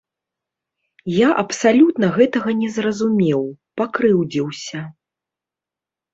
Я абсалютна гэтага не зразумеў, пакрыўдзіўся.